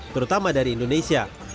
terutama dari indonesia